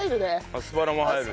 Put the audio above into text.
アスパラも入る。